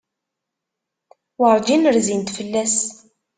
Werǧin rzint fell-as.